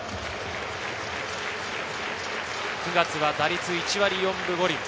９月は打率１割４分５厘。